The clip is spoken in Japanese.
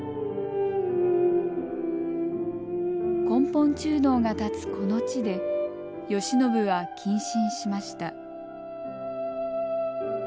根本中堂が建つこの地で慶喜は謹慎しました。